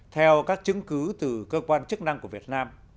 theo các chứng cứ từ cơ quan chức năng của việt nam